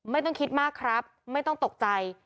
ไม่ต้องคิดมากครับไม่ต้องตกใจ